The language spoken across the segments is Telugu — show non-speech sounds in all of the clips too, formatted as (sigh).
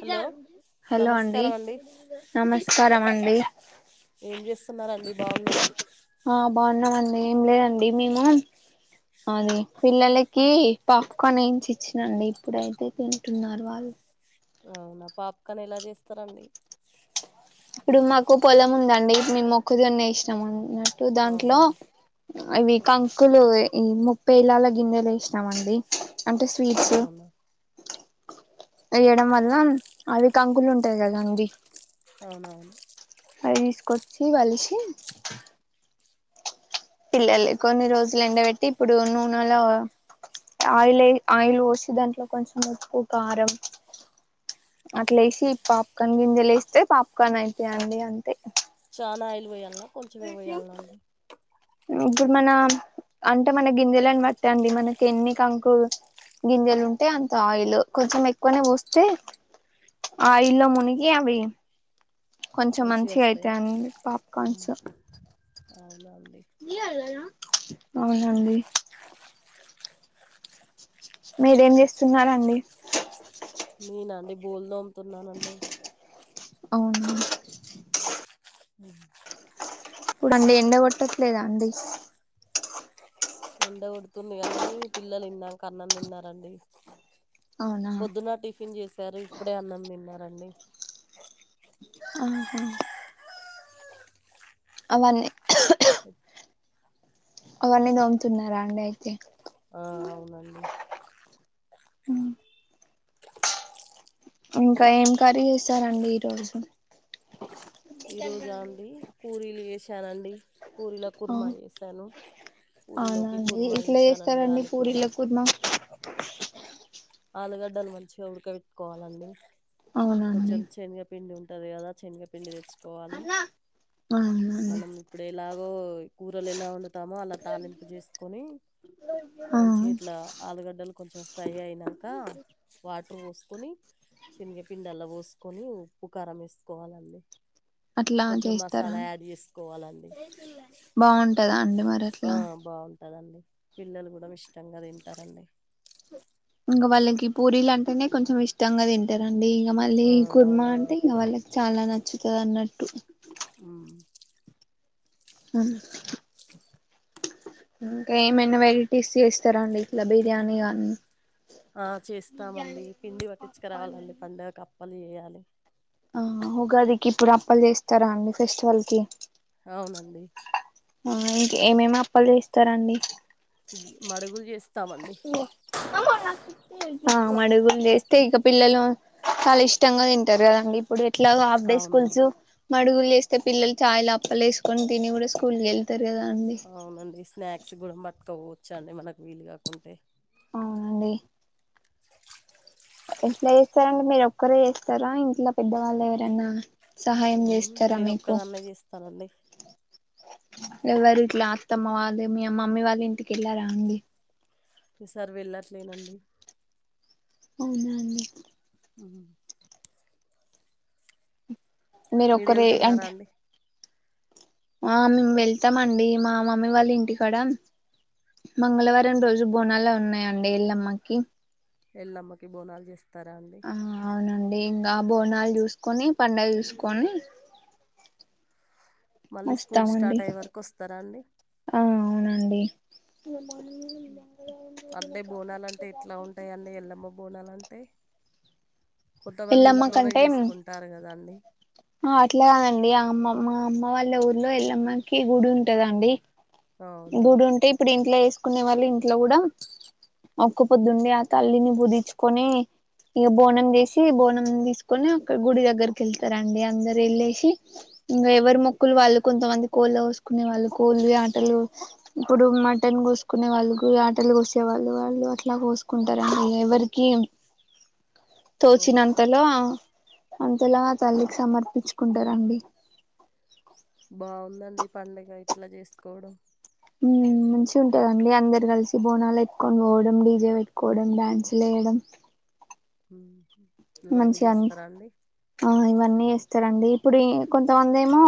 హలో హలో అండి నమస్కారం అండి ఏం చేస్తున్నారండి బాగున్నారా ఆ బాగున్నామండి ఏం లేదండి మేము అది పిల్లలకి పాప్కాన్ ఏంచి ఇచ్చినండి ఇప్పుడైతే తింటున్నారు వాళ్ళు మ్మ్ హ్హ్ పాప్కాన్ ఎలా చేస్తారండి ఇప్పుడు మాకు పొలం ఉందండి మేం మొక్కజోన్న ఎషినాము ఏసిన దాంట్లో అవునా అవి కంకులు ఇంకా పెళల జోన్నలు వేసినామండి అంటే స్వీట్స్ అవునా వేయడం వల్ల అవి కంకులు ఉంటాయి కదా అండి మ్మ్ హ్హ్ అవితీసుకొచ్చి వొలిచి పిల్లలకు కొన్ని రోజులు ఎండబెట్టి ఇప్పుడు నూనెలో ఆయిల్ పోసి దాంట్లో కొంచెం ఉప్పు, కారం అట్లేసి పాప్కన్ గింజలు వేస్తే పాప్కార్న్ అయితాయండి అంతే చాలా ఆయిలు పోయ్యాల కొంచెమే పోయ్యాల్నా ఇప్పుడు మన అంటే మన గింజలని బట్ట అండి మనకి ఎన్ని కంకులు గింజలు ఉంటే అంత ఆయిల్ కొంచెం ఎక్కువనే పోస్తే ప్చ్ ఆయిల్ మునిగి అవి కొంచెం మంచిగా అయితాయండి పాప్కార్న్స్ ఉమ్, అవునా అండి అవునండి మీరేం చేస్తున్నారండి నేనండి బోల్లు తోముతున్న అండి అవునా ఉ మండే ఎండ కొట్టట్లేదా అండి ఎండ కొడుతుంది గానీ పిల్లలు ఇందాక అన్నం తిన్నారండి అవునా పొద్దున టిఫిన్ చేసారు ఇప్పుడే అన్నం తిన్నారండి ఆహా అవన్నీ అవన్నీ దోముతున్నారా అండి అయితే ఆ అవునండి ఆ ఇంకా ఏం కర్రీ చేసారండి ఈరోజు ఈ రోజా అండి కూరీలు చేశానండి పూరీలోకి ఆ కుర్మా చేసాను పూరీలోకి అవునండి కుర్మా ఏట్లా చేసానండి చేస్తారండి ఆలు పూరి కుర్మా లోకి కూర్మ ఆలుగడ్డలు మంచిగా ఉడక పెట్టుకోవాలండి అవునండి కొంచెం శనుగా పిండి ఉంటు ఉంటది కదా శనగపిండి తెచ్చుకోవాలి అవునండి మనం ఇప్పుడు ఎలాగో కూరలు ఎలా వండుతామో అలా తాలింపు చేసుకొని ఆ మంచిగా గీట్లా ఆలుగడ్డలు కొంచెం ఫ్రై అయినాక వాటర్ పోసుకొని శనగపిిండాలా పోసుకొని ఉప్పు కారం వేసుకోవాలండి అట్లా కొంచెం చేస్తారా మసాలా యాడ్ చేసుకోవాలండి బాగుంటందా అండి మరి ఆ ఎట్లా బాగుంటదండి పిల్లలు కూడా ఇష్టంగా తింటారండి ఇంగా వాళ్ళకి పూరీలు అంటేనే కొంచెం ఇష్టంగా తింటారు అండి అండి ఇగా మళ్ళీ ఆ ఈ కుర్మ అంటే అవునండి ఇంక వాళ్ళకి చాలా నచ్చుతది అన్నట్టు ఉమ్. హు ఇంకా ఏమైనా వెరైటీస్ చేస్తారా అండి ఇట్లా బిర్యానీ కానీ ఆ చేస్తామండి పిండి పట్టించుకురావాలండి పండుగ అప్పలు చేయాలి ఆ ఉగాదికి ఇప్పుడు అప్పలు చేస్తారా అండి ఫెస్టివల్ కి అవునండి ఆ ఇంక ఏమేమి అప్పలు చేస్తారండి మడుగులు చేస్త (unintelligible) మాడుగులు చేస్తే ఇక పిల్లలు చాలా ఇష్టంగా తింటారు కదండి ఇప్పుడు ఇట్లా హాఫ్ డే అవునండి స్కూల్స్ మడుగులు చేస్తే పిల్లలు చాయ్ లోఅప్పలు వేసుకొని తిని కూడా స్కూల్ వెళ్తారు కదా అండి అవునండి స్నాక్స్ కూడా పట్టుకవోచ్చా అండి మనకు వీలు కాకుంటే అవునండి ఎట్లా చేస్తారండి మీరు ఒక్కరే చేస్తారా ఇంట్లో పెద్దవాళ్ళు ఎవరన్నా సహాయం చేస్తారా నేను మీకు ఒక్కదాన్నే చేస్తానండి ఎవరు ఇట్లా అత్తమ్మ వాళ్ళ మీ మమ్మీ వాళ్ళ ఇంటికెల్లారా అండి ఈసారి వెళ్ళట్లేనండి అవున అండి ఆ మీరు ఒక్కరే వెళ్తున్నారా అంటే అండి ఆ మేము వెళ్తామండి మా మమ్మీ వాళ్ళ ఇంటికాడ మంగళవారం రోజు బోనాలు ఉన్నాయండి ఎల్లమ్మకి ఎళ్ళమ్మకి బోనాలు చేస్తా ఆ అవునండి ఆ బోనాలు చూసుకొని పండుగ చూసుకొని మళ్ళీ స్కూల్ వస్తామండి స్టార్ట్ అయ్యే వరకు వస్తారా అండి ఆ అవునండి అంటే బోనాలు అంటే ఎట్లా ఉంటాయి అన్నీ ఎల్లమ్మ బోనలు అంటే అంటే కొంతమంది ఎల్లమ్మ ఇంట్లోనే చేసుకుంటారు కదండి ఆ అట్లా కాదు అండి ఆ అమ్మ మా అమ్మ వాళ్ళ ఊర్లో ఎల్లమ్మకి గుడి ఉంటదండి అవునా గుడి ఉంటే ఇప్పుడు ఇంట్లో చేసుకునే వాళ్ళు ఇంట్లో కూడా ఒక్క పొద్దు ఉండి ఆ తల్లిని పూజించుకొని ఇక బోనం చేసి బోనం తీసుకొని అక్కడ గుడి దగ్గరకి వెళ్తారండి అందరు వెళ్ళేసి ఇంకా ఎవరి మొక్కులు వాళ్ళు కొంతమంది కోళ్ళ కోసుకునే వాళ్ళు కోళ్లు యాటలు ఇప్పుడు మటన్ కోసుకునే వాళ్ళు యటలు కోసే వాళ్ళు వాళ్ళు అట్లా కోసుకుంటారండి ఎవరికి తోచిన ఓహో అంతలో అ ఎల్లమ్మ తల్లికి సమర్పించుకుంటారండి బాగుందండి పండగ ఇట్లా చేసుకోవడం మంచి ఉంటదండి అందరు కలిసి బోనాలు ఎట్టుకని పోవడం డీజే పెట్టుకోవడం డ్యాన్స్ లే మేడం హ మంచిగా అ ఆ ఇవన్నీ ఇస్తారండి ఇప్పుడు కొంతమంది ఏమో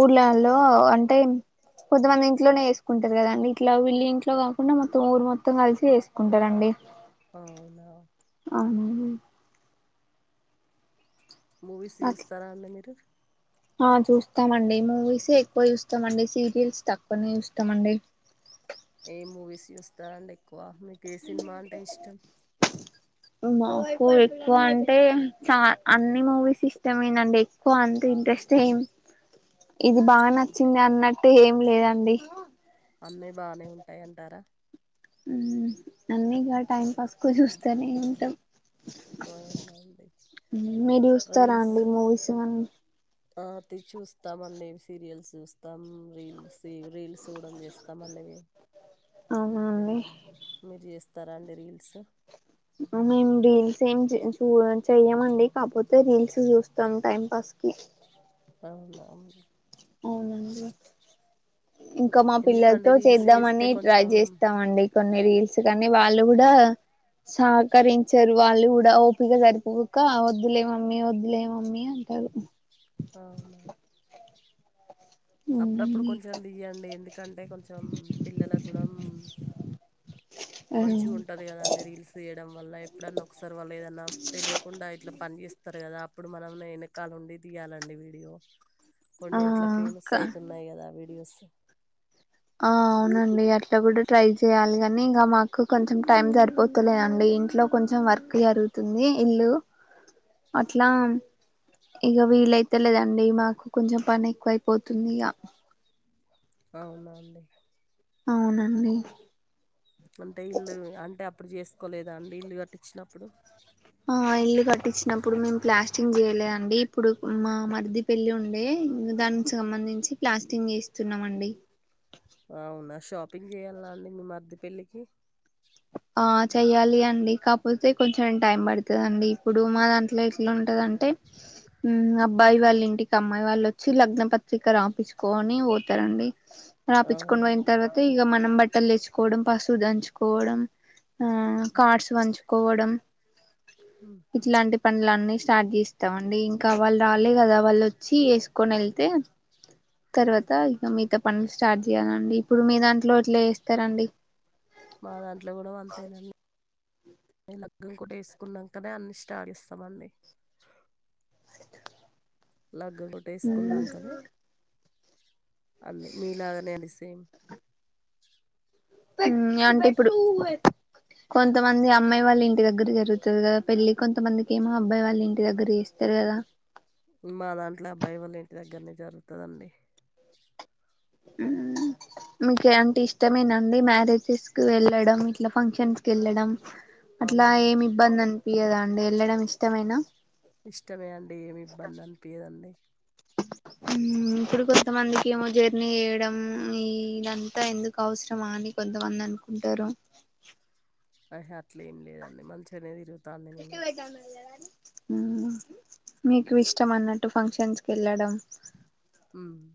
ఊర్లల్లో అంటే కొంతమంది ఇంట్లోనే వేసుకుంటారు కదండి ఇట్లా వెళ్ళలి ఇంట్లో కాకుండా మొత్తం ఊరు మొత్తం కలిసి వేసుకుంటారండి అవునా అవునండి మూవీస్ అట్లా చూస్తారా అండి మీరు ఆ చూస్తామండి మూవీసే ఎక్కువ చూస్తామండి సీరియల్స్ తక్కువనే చూస్తామండి ఏ మూవీస్ చూస్తారండి ఎక్కువ మీకు ఏ సినిమా అంటే ఇష్టం మాకు ఎక్కువ అంటే చా అన్ని మూవీస్ ఇష్టమేనండి ఎక్కువ అంతే ఇంట్రెస్ట్ ఏం ఇది బాగా నచ్చింది అంతేనా అన్నట్టు ఏం లేదండి బానే ఉంటాయి అంటారా అన్నీ టైం పాస్ కు చూస్తేనే ఏంటాం అవునండి మీరు చూస్తారా రీల్స్ అండి మూవీస్ కానీ ఆ చూస్తామ అండి సీరియల్స్ చూస్తాం రీల్స్ రీల్స్ కూడా చేస్తాం అండి అవునా అండి మీరు చేస్తారా అండి రీల్స్ మేము రీల్స్ ఏం చూ చెయమండి కాకపోతే రీల్స్ చూస్తాం టైం పాస్ కే అవును అవు అవునండి ఇంకా మా ఎందుకండి పిల్లలతో రీల్స్ చేస్తే చేద్దామని ట్రై కొంచెం చేస్తామ అండి కొన్ని రీల్స్ కానీ వాళ్ళు కూడా సహకరించారు వాళ్ళు కూడా ఓపగా సరిపోక వద్దులేమమ్మీ వద్దులేమి మమ్మీ అ అంట అవునవు అప్పుడప్పుడు అవునండి కొంచెం దియండి ఎందుకంటే కొంచెం పిల్లల గుణం మంచి ఉంటంది కదా అండి రీల్స్ చేయడం వల్ల ఎప్పుడన్నా ఒకసారి వాళ్ళు ఏదన్నా తెలియకుండా ఇట్లా పని చేస్తారు కదా అప్పుడు మనం వెనకలుండి తీయాలండి వీడియో ఆ కొన్ని అట్లా ఫేమస్ ఆ అయితున్నాయి కదా వీడియోస్ ఆ అవునండి అట్లా కూడా ట్రై చేయాలి కాని ఇంకా మాకు కొంచెం టైం సరిపోతులేదండి ఇంట్లో కొంచెం వర్క్ జరుగుతుంది ఇల్లు అట్లా ఇక వీలైతే లేదండి మాకు కొంచెం పని ఎక్కువయిపోతుంది ఇక అవునండి అవునండి అంటే ఇల్లు అంటే అప్పుడు చేసుకోలేదా అండి ఇల్లు కట్టించినప్పుడు ఆ ఇల్లు కట్టించినప్పుడు మేము ప్లాస్టింగ్ చేయలేదండి ఇప్పుడు మా మరిది పెళ్లి ఉండే దానికి సంబంధించి ప్లాస్టింగ్ చేస్తున్నామ అండి అవునా షాపింగ్ చేయాలా అండి మీ మద్దె పెళ్లికి ఆ చెయ్యాలి అండి కాకపోతే కొంచెం టైం పడుతుందిండి ఇప్పుడు మా దాంట్లో ఇట్లా ఉంటదంటే అబ్బాయి వాళ్ళ ఇంటికి అమ్మాయి వాళ్ళు వచ్చి లగ్న పత్రిక రాపంచుకొని పోతారండి రాపచ్చుకొని అవునా పోయిన తర్వాత ఇక మనం బట్టలు లేచుకోవడం పశువు దంచుకో పోవడం ఆ కార్డ్స్ వంచుకోవడం ఇట్లాంటి పండ్లన్నీ స్టార్ట్ చేస్తాంండి ఇంకా వాళ్ళు రాలే కదా వాళ్ళు వచ్చి వేసుకొని వెళ్తే తర్వాత ఇక మిగతా పనులు స్టార్ట్ చేయ్యాలండి ఇప్పుడు మీ దాంట్లో ఇట్లా చేస్తారండి ఆ మా దాంట్లో కూడా అంతేనండి లగగ్ం కూడా వేసుకున్నాకనే అన్ని స్టార్ట్ చేస్తామండి అ లలాగ్ ఒకటి వేసుకున్నాం కదా అన్న మీలాగనే అండి సేమ్ అంటే ఇప్పుడు కొంతమంది అమ్మాయి వాళ్ళ ఇంటి దగ్గర జరుగుతుది కదా పెళ్లిి కొంతమందికి ఏమో అబ్బాయి వాళ్ళ ఇంటి దగ్గర చేస్తే తెరదా మా దాంట్లో అబ్బాయి వాల్ల ఇంటి దగ్గరనే జరుగుతదండి ఉ ఇంకేంటి ఇష్టమేనండి మ్యారేజెస్ కి వెళ్ళడం ఇల ఫంక్షన్స్ కి వెళ్ళడం అట్లా అవునండి ఏమి ఇబ్బంది అనిపియదా అండి వెళ్ళడం ఇష్టమైైన ఇష్టమే అండి ఏమి ఇబ్బంది అనిపియదండి ఉమ్ ఇప్పుడు కొంతమందికి ఏమో జర్నీ వేయడం ఈ ఇదంతా ఎందుకు అవసరమా అని కొంతమంది అను కుంటారు అహే అట్లే ఏం లేదండి మంచిు అనేదిరు (unintelligible) గు కృషి వదమదద (unintelligible) ఉమ్ మీకు ఇష్టం అన్నట్టు ఫంక్షన్స్ కి వెళ్ళడం ఉమ్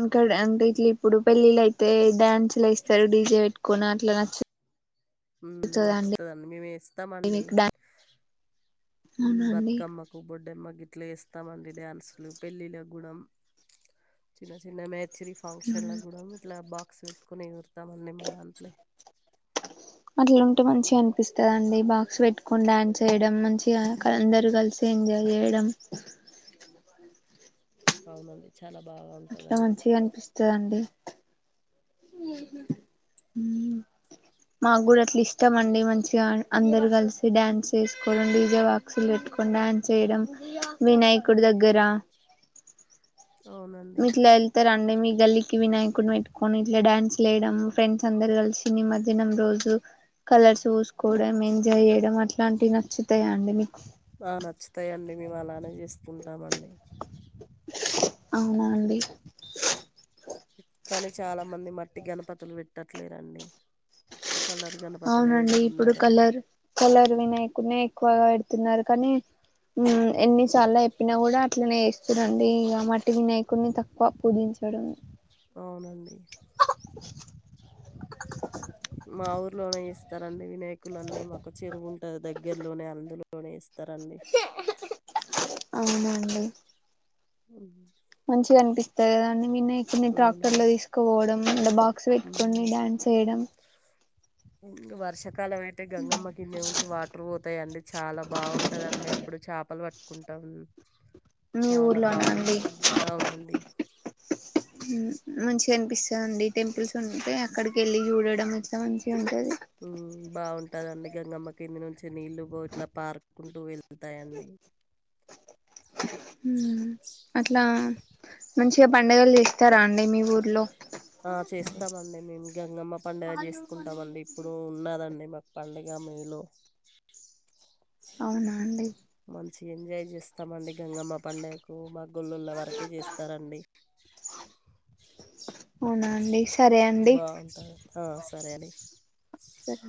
ఇంకాడ అంటే ఇట్లా ఇప్పుడు పెళ్ళిళ్ళు యితే డ్యాన్సు లు వేస్తారు డీజే పెట్టుకొని అట్లా నచ్చ ఉమ్ నచ్చుతదండి మేము వేస్తామండి మీకు డా అవునా అండి బతుకమ్మ కు కూడా డెమ్మగిట్లు వేస్తామండి డ్యాన్సులు పెళ్ళిలో గూడ చిన్న చిన్న మే చ్చరీ ఫంక్షన్లో కూడా ఇట్లా బాక్స్ పెట్టుకొని ఎస్తమండి మా దాంట్లో అట్లాఉంటే మంచి అనిపిస్తదిండి బాక్స్ పెట్టుకొని డాన్స్ వేయడం మంచిగా అందరు కలిసి ఎంజాయ్ చేయడం ఆహ అట్లా మంచిగా అనిపిస్తదండి ఉమ్ మాకు కూడా అట్లా ఇష్టం అండి మంచిగా అందరు కలిసి డాన్స్ చేసుకోవడం డీజే బాక్సులు పెట్టుకోడం డాన్స్ చేయడం వినాయకుడి దగ్గరా అవునండి మీట్లా వెళ్తే రండి మీ గల్లికి వినాయకుడిని పెట్టుకొని ఇట్లా డ్యాన్స్ లేయడం ఫ్రెండ్స్ అందరు కలిసి నిమజ్జనం రోజు కలర్స్ పుసుకోవడం ఎంజాయ్ చేయడం అట్లాంటివి నచ్చుతాయా అండి మీకు ఆ నచ్చుతాయిండి మేము అలానే చేసుకుంటామండి అవునా అండి కానీ చాలా మంది గణపతులు పెట్టట్లేదాండి అవునండి ఇప్పుడు కలర్ కలర్ వినయకుడ్ని ఎక్కువ పెడుతున్నారు కానీ ఉమ్ ఎన్నిసార్లు చెప్పినా కూడా అట్లనే వేస్తురండి ఇక మట్ ఇ వినాయకుడిని తక్కువ పూజించడం అవునండి ఆ లోనే ఇస్తారండి వినాయకులన్నీ మాకు చెరువు ఉంటాది దగ్గరలోనే అందులోనే ఇస్త త్తరండి అవునా అండి ఉ మంచిగా అనిపిస్తాయి కదండి వినాయకుని ట్రాక్టర్ లో అవునండి తీసుకుపోవడం ఇల బాక్స్ పెట్టుకుని డ్యాన్స్ వేయడం ఉ వర్షాకాలం అయితే గంగమ్మ కిందె నుంచి వాటర్ పోతాయి అండి చాలా బాగుంటదిండి అప్పుడు చేపలు పట్టుకుంటాం మీ చాలా ఊర్లోనా అండి బాగుంటుందండి అవునండి మంచిగా అనిపిస్తదండి టెంపుల్స్ ఉంటే అక్కడికి వెళ్ళి చూడడం ఇట్లా మంచిగా ఉ మ్మ్ బాగు ఉంటదండి గంగమ్మ కింది నుంచి నీళ్లు ఇట్లా పారుకుంటూ వెళ్తాయి అండి అ అట్లా మంచిగా పడుగలు చేస్తారా అండి మీ ఊర్లో ఆ చేస్తామండి మేము గంగమ్మ పండుగ చేసుకుంటామండి ఇప్పుడు ఉన్నాదండి ఇమకు పాలడగా మరిళలో (unintelligible) అవునా అండి మంచి ఎంజాయ్ చేస్తామండి గంగమ్మ పండగకు మా గొళ్ళుళ వరకే చేస్తారండి అవునా అండి సరే అండి బాగుంటుంది ఆ సరే అండి సరే